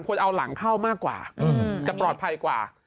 คนเอาหลังเข้ามากกว่าจะปลอดภัยกว่า